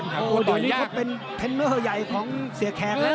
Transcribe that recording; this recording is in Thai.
เดี๋ยวนี้เขาเป็นเทรนเนอร์ใหญ่ของเสียแขกแล้ว